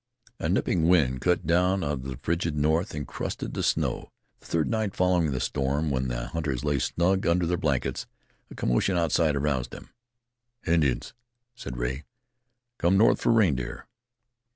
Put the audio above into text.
A nipping wind came down out of the frigid north and crusted the snows. The third night following the storm, when the hunters lay snug under their blankets, a commotion outside aroused them. "Indians," said Rea, "come north for reindeer."